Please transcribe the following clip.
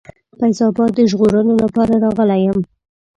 فیض آباد د ژغورلو لپاره راغلی یم.